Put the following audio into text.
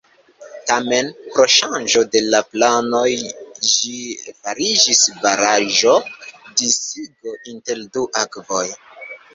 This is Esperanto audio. Tamen, pro ŝanĝo de la planoj ĝi fariĝis baraĵo: disigo inter du akvoj.